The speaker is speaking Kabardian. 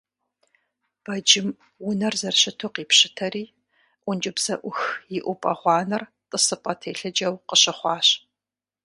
Бэджым унэр зэрыщыту къипщытэри, ӀункӀыбзэӀух иӀупӀэ гъуанэр тӀысыпӀэ телъыджэу къыщыхъуащ.